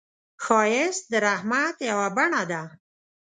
ښایست د رحمت یو بڼه ده